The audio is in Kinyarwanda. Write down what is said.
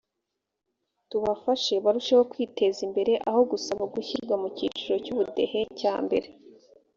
tubafashe barusheho kwiteza imbere aho gusaba gushyirwa mu cyiciro cy ubudehe cya mbere